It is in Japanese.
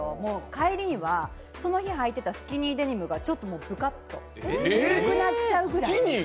帰りにはその日はいていたスキニーデニムがちょっとぶかっと、緩くなっちゃうぐらい。